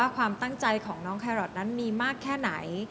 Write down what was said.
ความตั้งใจของน้องแครอทนั้นมีมากแค่ไหน